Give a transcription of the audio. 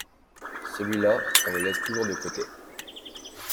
Celui-là, on le laisse toujours de côté.